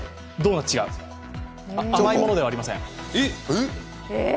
チョコ？甘いものではありません。